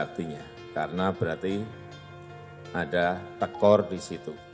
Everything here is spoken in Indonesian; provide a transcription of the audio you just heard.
artinya karena berarti ada tekor di situ